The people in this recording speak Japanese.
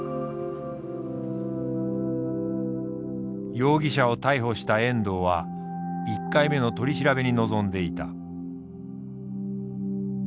容疑者を逮捕した遠藤は１回目の取り調べに臨んでいた。